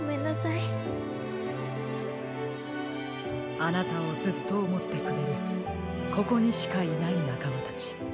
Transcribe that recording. あなたをずっとおもってくれるここにしかいないなかまたち。